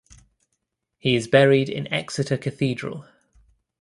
He is buried in Exeter Cathedral.